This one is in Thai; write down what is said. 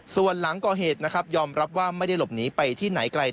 ส่วนหลังก่อเหตุนะครับยอมรับว่าไม่ได้หลบหนีไปที่ไหนไกล